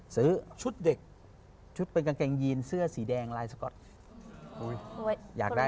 ซื้อชุดเด็กชุดเป็นกางเกงยีนเสื้อสีแดงลายสก๊อตอยากได้